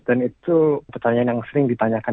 dan itu pertanyaan yang sering ditanyakan